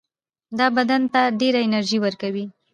دا بدن ته ډېره انرژي ورکوي.